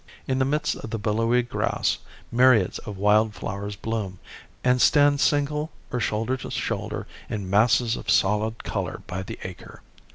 In the midst of the billowy grass myriads of wild flowers bloom, and stand single or shoulder to shoulder in masses of solid color by the acre.